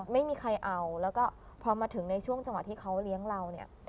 ไม่มีใครเอาแล้วก็พอมาถึงในช่วงจังหวะที่เขาเลี้ยงเราเนี่ย